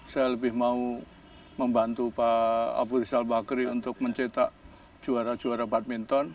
saya lebih mau membantu pak abu rizal bakri untuk mencetak juara juara badminton